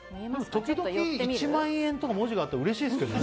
一万円とか文字があったらうれしいですけどね。